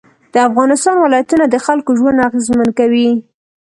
د افغانستان ولایتونه د خلکو ژوند اغېزمن کوي.